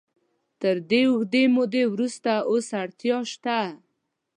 تر دې اوږدې مودې وروسته اوس اړتیا شته.